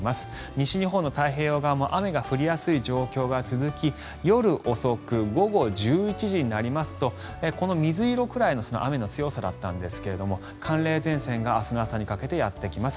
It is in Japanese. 西日本の太平洋側も雨が降りやすい状況が続き夜遅く、午後１１時になりますとこの水色くらいの雨の強さだったんですが寒冷前線が明日の朝にかけてやってきます。